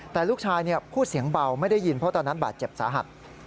แต่ลูกชายพูดเสียงเบาไม่ได้ยินเพราะตอนนั้นบาดเจ็บสาหัส